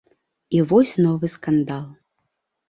І вось новы скандал.